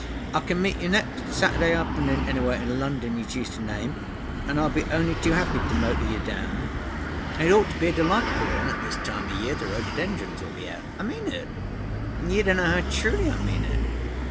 I can meet you next Saturday afternoon anywhere in London you choose to name, and I'll be only too happy to motor you down. It ought to be a delightful run at this time of year—the rhododendrons will be out. I mean it. You don't know how truly I mean it.